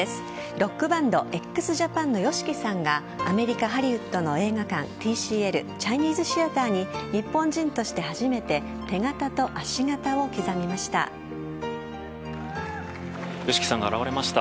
ロックバンドＸＪＡＰＡＮのＹＯＳＨＩＫＩさんがアメリカ・ハリウッドの映画館ＴＣＬチャイニーズ・シアターに日本人として初めてＹＯＳＨＩＫＩさんが現れました。